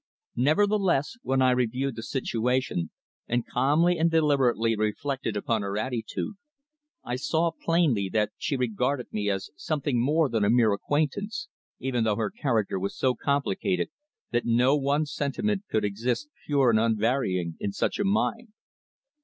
Nevertheless, when I reviewed the situation, and calmly and deliberately reflected upon her attitude, I saw plainly that she regarded me as something more than a mere acquaintance, even though her character was so complicated that no one sentiment could exist pure and unvarying in such a mind.